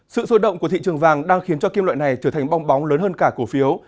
sự sôi động của thị trường vàng đang khiến cho kim loại này trở thành bong bóng lớn hơn cả cổ phiếu